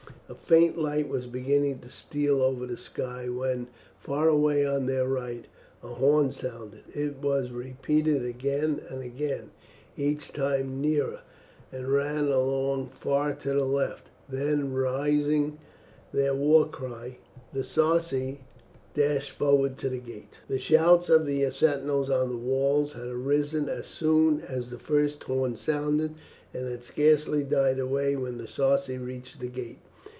A faint light was beginning to steal over the sky when, far away on their right, a horn sounded. It was repeated again and again, each time nearer, and ran along far to the left; then, raising their war cry, the Sarci dashed forward to the gate. The shouts of the sentinels on the walls had arisen as soon as the first horn sounded, and had scarcely died away when the Sarci reached the gate.